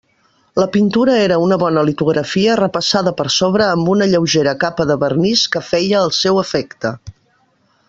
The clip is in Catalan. La pintura era una bona litografia repassada per sobre amb una lleugera capa de vernís que feia el seu efecte.